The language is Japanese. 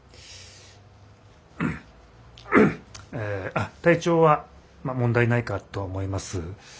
え体調はまあ問題ないかと思います。